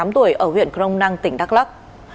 một mươi tám tuổi ở huyện crong năng tỉnh đắk lắc